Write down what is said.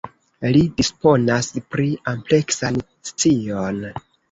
Li disponas pri ampleksan scion.